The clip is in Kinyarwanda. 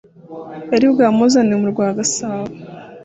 yaribwamuzane mu rwa gasabo,